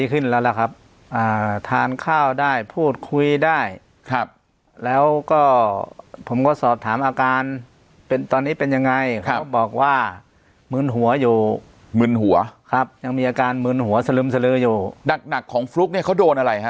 เมืองหัวสลึมสลืออยู่หนักของฟลุ๊กเนี่ยเขาโดนอะไรฮะ